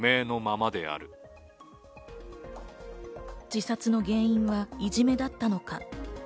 自殺の原因はいじめだったのか？